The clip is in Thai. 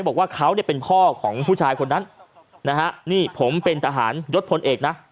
บอกว่าเขาเนี่ยเป็นพ่อของผู้ชายคนนั้นนะฮะนี่ผมเป็นทหารยศพลเอกนะ